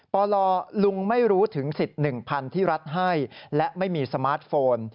ปลลุงไม่รู้ถึงสิทธิ์๑๐๐๐ที่รัฐให้และไม่มีสมาร์ทโฟน